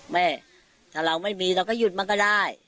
แม่ถ้าเราไม่มีเราก็หยุดมันก็ได้